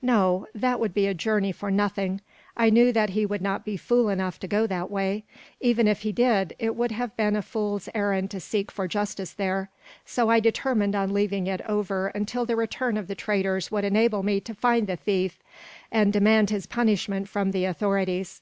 No; that would be a journey for nothing. I knew that he would not be fool enough to go that way. Even if he did, it would have been a fool's errand to seek for justice there, so I determined on leaving it over until the return of the traders would enable me to find the thief, and demand his punishment from the authorities.